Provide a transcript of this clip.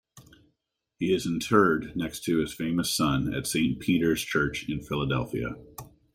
He is interred next to his famous son at Saint Peter's Church in Philadelphia.